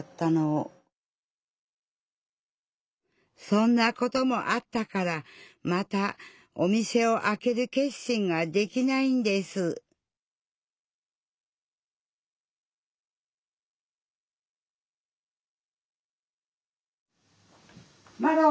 そんなこともあったからまたお店をあける決心ができないんですまろ。